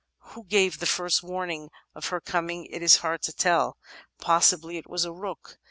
Who gave the first warning of her coming it is hard to tell. Possibly it was a rook.